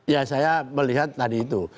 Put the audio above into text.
ya saya melihat tadi itu